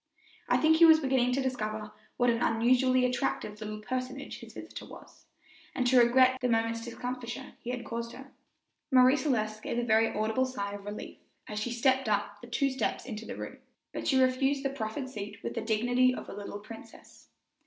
I think he was beginning to discover what an unusually attractive little personage his visitor was, and to regret the moment's discomfiture he had caused her. Marie Celeste gave a very audible sigh of relief as she stepped up the two steps into the room, but she refused the proffered seat with the dignity of a little princess.